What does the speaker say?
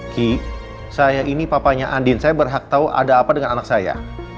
ki saya ini papanya andin saya berhak tahu ada apa dengan anak saya